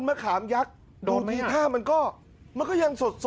มาฮ่ามยักษ์